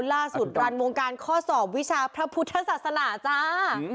รันวงการข้อสอบวิชาพระพุทธศาสนาจ้า